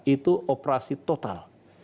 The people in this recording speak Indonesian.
itu operasi total